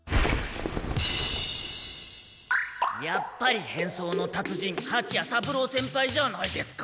やっぱり変装の達人はちや三郎先輩じゃないですか。